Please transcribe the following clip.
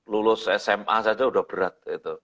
lulus sma saja sudah berat